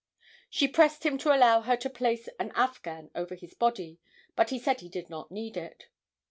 She pressed him to allow her to place an afghan over his body, but he said he did not need it.